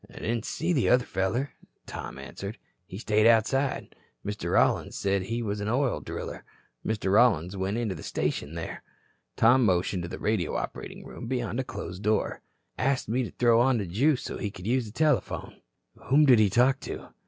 "Didn't see the other feller," Tom answered. "He stayed outside. Mr. Rollins said he was an oil driller. Mr. Rollins went into the station there." Tom motioned to the radio operating room beyond a closed door. "Asked me to throw on the juice so he could use the telephone." "Whom did he talk to?"